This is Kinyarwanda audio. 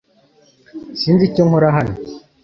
Sinzi icyo nkora hano